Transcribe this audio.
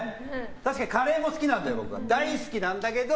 確かにカレーも好きなんだけど大好きなんだけど